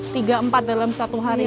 tiga empat dalam satu hari